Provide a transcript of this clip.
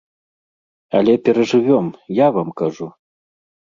Але перажывём, я вам кажу.